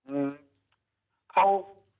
อืมเขา